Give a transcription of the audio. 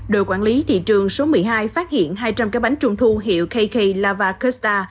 đội quản lý thị trường số một mươi hai phát hiện hai trăm linh cái bánh trung thu hiệu kk lavacosta